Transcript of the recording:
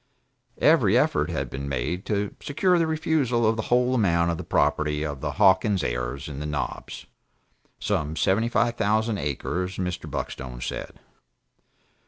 Every effort had been made to secure the refusal of the whole amount of the property of the Hawkins heirs in the Knobs, some seventy five thousand acres Mr. Buckstone said.